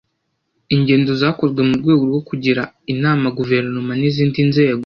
Ingendo zakozwe mu rwego rwo kugira inama Guverinoma n’izindi nzego